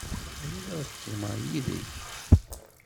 Bɣiɣ ad qqimeɣ yid-k.